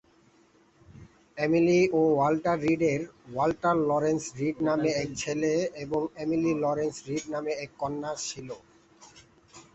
Emily ও Walter রিডের Walter Lawrence Reed নামে এক ছেলে এবং এমিলি লরেন্স রিড নামে এক কন্যা ছিল।